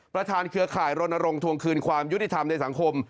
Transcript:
เครือข่ายรณรงค์ทวงคืนความยุติธรรมในสังคม